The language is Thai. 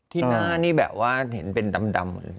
ที่หน้านี่แบบว่าเห็นเป็นดำ